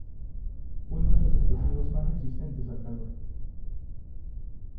Uno de los explosivos más resistentes al calor.